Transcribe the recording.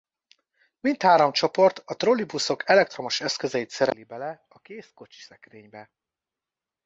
Mindhárom csoport a trolibuszok elektromos eszközeit szereli bele a kész kocsiszekrénybe.